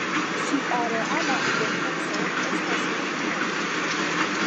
Ŝia reala identeco estas nekonata.